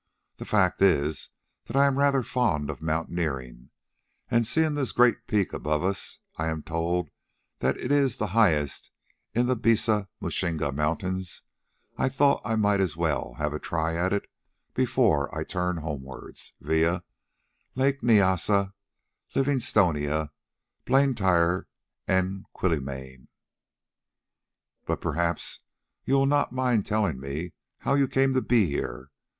The fact is that I am rather fond of mountaineering, and seeing this great peak above us—I am told that it is the highest in the Bisa Mushinga Mountains—I thought that I might as well have a try at it before I turn homewards, via Lake Nyassa, Livingstonia, Blantyre, and Quilimane. But perhaps you will not mind telling me how you came to be here.